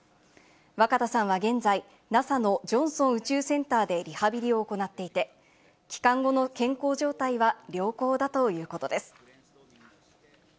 若田さんは現在、ＮＡＳＡのジョンソン宇宙センターでリハビリを行っていて、帰還後の健康状態は良好だということです。